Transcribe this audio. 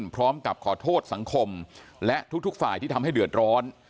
พร้อมกับขอโทษสังคมและทุกฝ่ายที่ทำให้เดือดร้อน